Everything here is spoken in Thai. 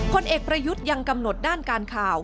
ผลเอกประยุทธ์ยังกำหนดด้านการข่าว